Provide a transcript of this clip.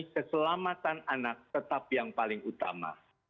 keselamatan anak tetap yang paling utama